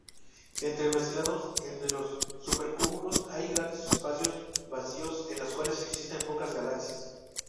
Entremezclados entre los supercúmulos hay grandes espacios vacíos en los cuales existen pocas galaxias.